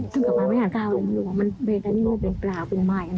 ทั้งขทิบานอยู่๒คนเลย